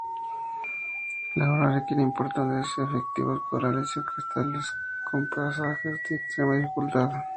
La obra requiere importantes efectivos corales y orquestales, con pasajes de extrema dificultad.